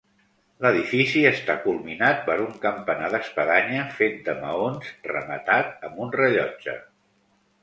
L'edifici està culminat per un campanar d'espadanya fet de maons, rematat amb un rellotge.